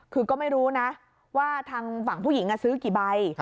คือก็ไม่รู้นะว่าทางฝั่งผู้หญิงซื้อกี่ใบ